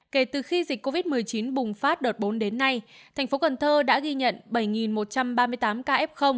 kể từ khi dịch covid một mươi chín bùng phát đợt bốn đến nay tp cn đã ghi nhận bảy một trăm ba mươi tám ca f